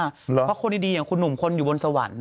เพราะคนดีอย่างคุณหนุ่มคนอยู่บนสวรรค์